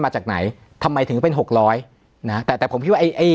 มาจากไหนทำไมถึงเป็นหกร้อยนะฮะแต่แต่ผมคิดว่าไอ้ไอ้